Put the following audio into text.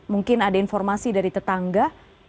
mungkin ada informasi dari tetangga